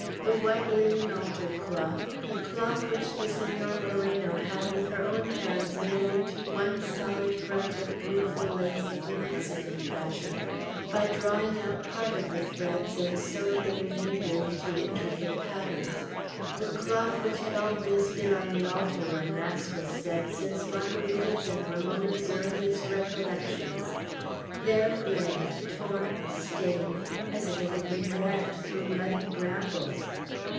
The white linen altar cloth, the cloth which the Senora Moreno had with her own hands made into one solid front of beautiful lace of the Mexican fashion, by drawing out part of the threads and sewing the remainder into intricate patterns, the cloth which had always been on the altar, when mass was said, since Margarita's and Ramona's earliest recollections, there it lay, torn, stained, as if it had been dragged through muddy brambles.